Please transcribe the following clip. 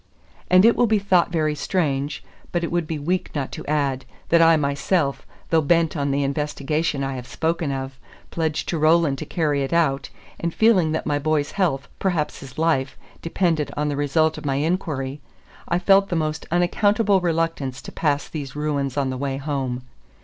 And it will be thought very strange, but it would be weak not to add, that I myself, though bent on the investigation I have spoken of, pledged to Roland to carry it out, and feeling that my boy's health, perhaps his life, depended on the result of my inquiry, I felt the most unaccountable reluctance to pass these ruins on my way home.